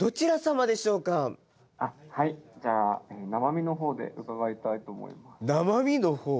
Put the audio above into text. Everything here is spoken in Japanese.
あっはいじゃあ生身のほうで伺いたいと思います。